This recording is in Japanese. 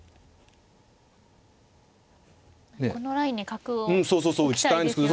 このラインに角を打ちたいですよね。